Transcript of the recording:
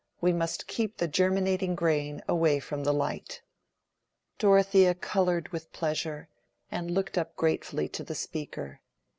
We must keep the germinating grain away from the light." Dorothea colored with pleasure, and looked up gratefully to the speaker.